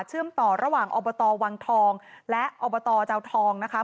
ต่อระหว่างอบตวังทองและอบตเจ้าทองนะคะ